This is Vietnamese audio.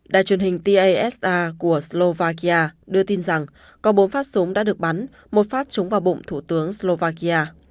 đài truyền hình tasa của slovakia đưa tin rằng có bốn phát súng đã được bắn một phát chúng vào bụng thủ tướng slovakia